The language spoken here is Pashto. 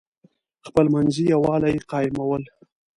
خپلمنځي یوالی قایمول.